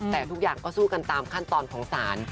แต่ทุกอย่างก็สู้กันตามขั้นตอนของศาล